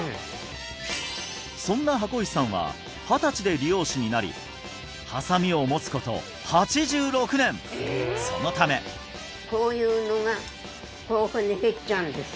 そんな箱石さんは二十歳で理容師になりハサミを持つこと８６年そのためこういうのがこういうふうに減っちゃうんです